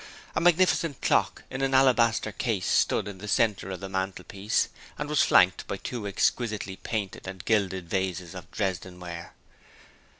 A magnificent clock in an alabaster case stood in the centre of the mantelpiece and was flanked by two exquisitely painted and gilded vases of Dresden ware.